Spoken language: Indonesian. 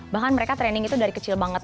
bahkan mereka training itu dari kecil banget